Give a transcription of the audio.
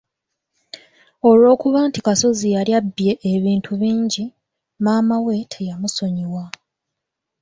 Olw’okuba nti Kasozi yali abbye ebintu bingi, maama we teyamusonyiwa.